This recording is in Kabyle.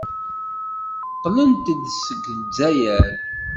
Qqlent-d seg Lezzayer.